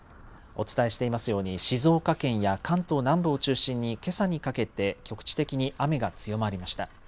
お伝えしていますように静岡県や関東南部を中心にけさにかけて局地的に雨が強まりました。